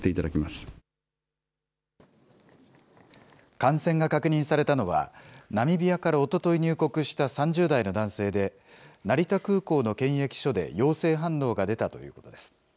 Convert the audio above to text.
感染が確認されたのは、ナミビアからおととい入国した３０代の男性で、成田空港の検疫所で陽性反応が出たということです。